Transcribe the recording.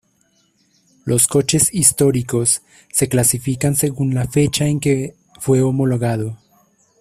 Los coches históricos se clasifican según la fecha en que fue homologado.